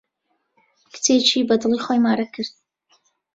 کچێکی بە دڵی خۆی مارە کرد.